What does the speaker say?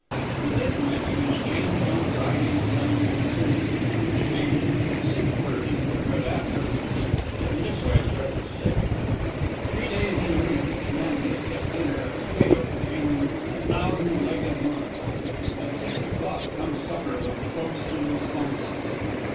The dinner menu is changed on Fridays, Sundays and Thursdays, on which days you get the soup first and the bread afterwards. In this way the bread is saved. Three days in a week each man gets at dinner a potato containing a thousand legged worm. At 6 o'clock comes supper with toast and responses.